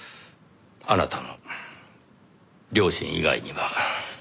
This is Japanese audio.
あなたの良心以外には。